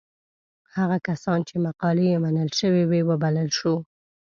هغه کسان چې مقالې یې منل شوې وې وبلل شول.